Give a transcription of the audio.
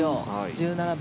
１７番。